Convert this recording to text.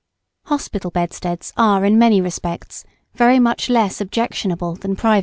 Hospital bedsteads are in many respects very much less objectionable than private ones.